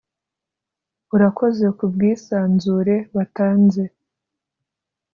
urakoze kubwisanzure watanze